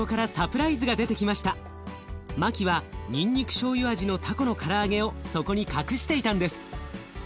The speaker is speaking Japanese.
マキはにんにくしょうゆ味のたこのから揚げを底に隠していたんです。